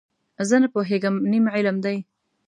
زه نه پوهېږم، نیم علم دی.